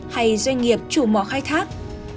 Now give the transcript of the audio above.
hay doanh nghiệp chủ mò khai thác